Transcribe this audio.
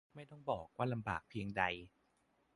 ไม่ต้องบอกว่าลำบากเพียงใด